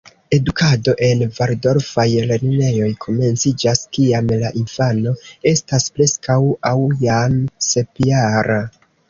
Edukado en valdorfaj lernejoj komenciĝas kiam la infano estas preskaŭ aŭ jam sepjara.